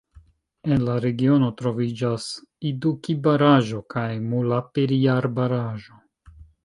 En la regiono troviĝas Iduki-Baraĵo kaj Mulaperijar-Baraĵo.